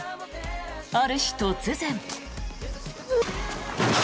ある日、突然。